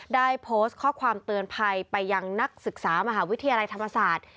ได้โพสต์ข้อความเตือนภัยไปยังนักศึกษามหาวิทยาลัยธรรมศาสตร์